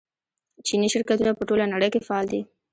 چیني شرکتونه په ټوله نړۍ کې فعال دي.